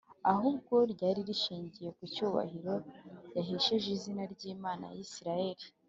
ahubwo ryari rishingiye ku cyubahiro yahesheje izina ry’imana ya isirayeli